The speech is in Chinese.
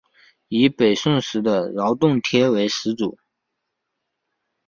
以北宋时的饶洞天为始祖。